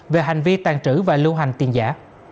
về hành vi tàn trữ và lưu hành tiền giả